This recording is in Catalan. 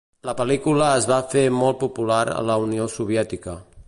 La pel·lícula es va fer molt popular a la Unió Soviètica.